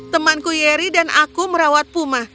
temanku yeri dan aku merawat puma